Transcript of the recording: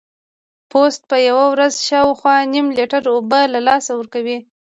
پوست په یوه ورځ شاوخوا نیم لیټر اوبه له لاسه ورکوي.